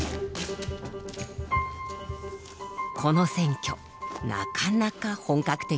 この選挙なかなか本格的。